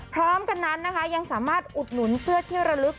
พร้อมกันนั้นนะคะยังสามารถอุดหนุนเสื้อที่ระลึก